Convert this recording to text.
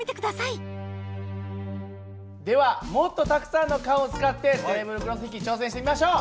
ではもっとたくさんの缶を使ってテーブルクロス引き挑戦してみましょう。